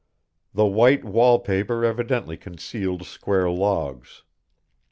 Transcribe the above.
The white wall paper evidently concealed squared logs.